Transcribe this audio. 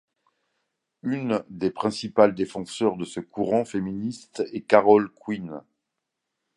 Une des principales défenseurs de ce courant féministe est Carol Queen.